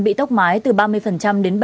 bị tốc mái từ ba mươi đến bảy mươi